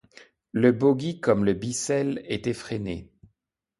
Le bogie comme le bissel étaient freinés.